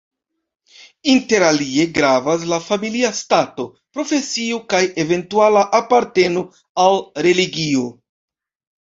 Inter alie gravas la familia stato, profesio kaj eventuala aparteno al religio.